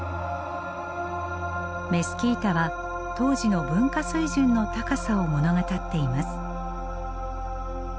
メスキータは当時の文化水準の高さを物語っています。